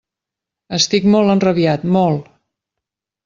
Estic molt enrabiat, molt!